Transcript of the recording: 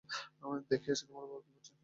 দেখে আসি তোমার বাবা কী করছেন সেখানে।